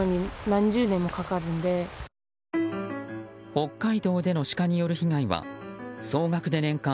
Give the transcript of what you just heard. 北海道でのシカによる被害は総額で年間